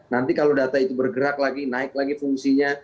nanti kalau data itu bergerak lagi naik lagi fungsinya